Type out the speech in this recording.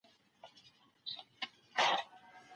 په خپله ژبه څوک مه توهينوئ.